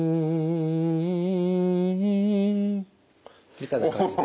みたいな感じで。